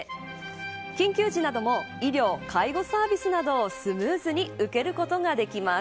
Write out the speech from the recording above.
緊急時なども医療、介護サービスなどをスムーズに受けることができます。